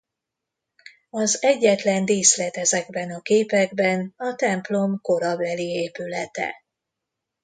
Az egyetlen díszlet ezekben a képekben a templom korabeli épülete.